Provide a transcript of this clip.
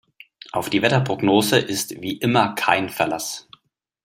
Auf die Wetterprognose ist wie immer kein Verlass.